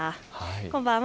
こんばんは。